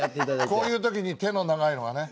こういう時に手が長いのがね。